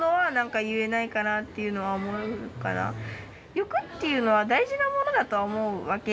欲っていうのは大事なものだとは思うわけ。